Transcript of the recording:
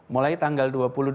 mulai tanggal dua puluh dua